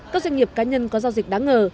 các doanh nghiệp cá nhân có giao dịch đáng ngờ